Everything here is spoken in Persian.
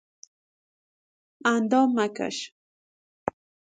اندام مکش